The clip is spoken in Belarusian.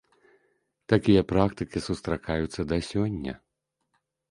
Такія практыкі сустракаюцца да сёння.